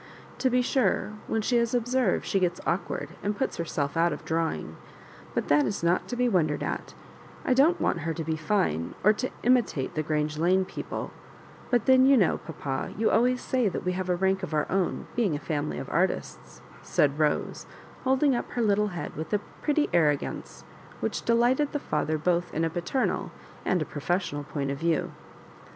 To be sure, when she is observed she gets awkward, and puts herself out of drawing; but that is not to be wondered at, I don t wanif her to be fine, or to imitate the Grange Lane people; but then, you know, papa, you always say that we have a rank of our own, being a family of artists," said Rose, holding up her little head with a pretty arrogance which delighted the father both in a paternal and a pro fessional point of view.